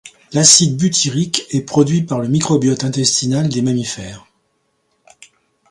L'acide butyrique est produit par le microbiote intestinal des mammifères.